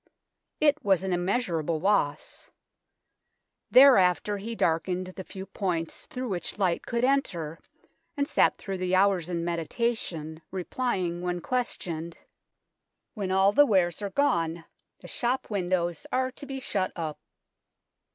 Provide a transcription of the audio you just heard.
It was an immeasurable loss. Thereafter he darkened the few points through which light could enter, and sat through the hours in meditation, replying when questioned, " When all the wares are gone, the shop THE BELL TOWER 67 windows are to be shut up."